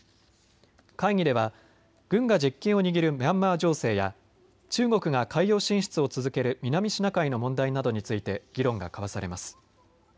会議では軍が実権を握るミャンマー情勢や中国が海洋進出を続ける南シナ海の問題などについて議論が交わされます。